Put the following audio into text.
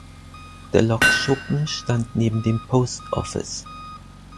Der Lokschuppen stand neben dem Post Office.